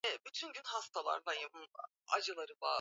Kuwa msafi wakati wa kukamua maziwa